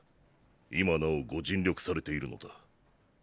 いま尚ご尽力されているのだ。